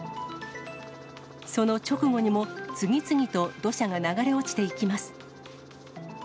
その直後にも、次々と土砂が流れ落ちていきます。